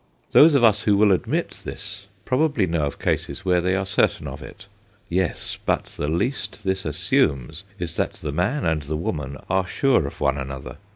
Those of us who will admit this probably know of cases where they are certain of it. Yes ; but the least this assumes is that the man and the woman are sure of one another.